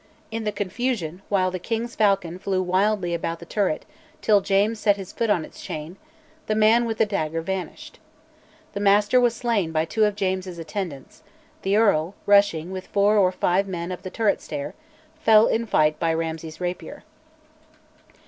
In the confusion, while the king's falcon flew wildly about the turret till James set his foot on its chain, the man with the dagger vanished. The Master was slain by two of James's attendants; the Earl, rushing with four or five men up the turret stair, fell in fight by Ramsay's rapier.